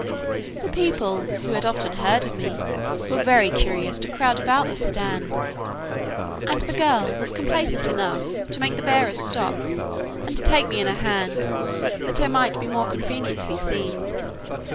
The people, who had often heard of me, were very curious to crowd about the sedan, and the girl was complaisant enough to make the bearers stop, and to take me in her hand, that I might be more conveniently seen.